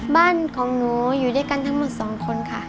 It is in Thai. บ้านของหนูอยู่ด้วยกันทั้งหมด๒คนค่ะ